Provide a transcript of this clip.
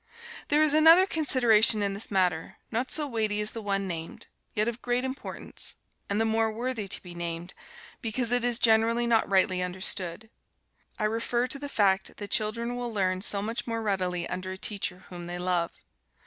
There is another consideration in this matter, not so weighty as the one named, yet of great importance, and the more worthy to be named, because it is generally not rightly understood. I refer to the fact that children will learn so much more readily under a teacher whom they love.